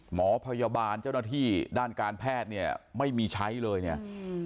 หมอพยาบาลเจ้าหน้าที่ด้านการแพทย์เนี่ยไม่มีใช้เลยเนี่ย